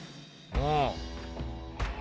うん？